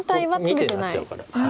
２手になっちゃうから。